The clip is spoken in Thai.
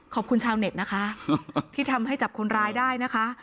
ขอบคุณชาวเน็ตนะคะที่ทำให้จับคนร้ายได้นะคะ